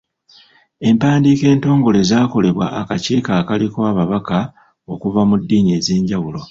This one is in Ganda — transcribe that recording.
Empandiika entongole yakolebwa akakiiko akaaliko ababaka okuva mu ddiini ez’enjawulo.